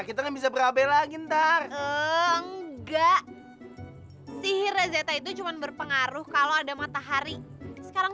yang ini untuk membersinin